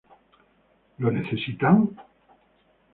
Lo necesitan?